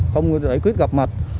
không giải quyết gặp mặt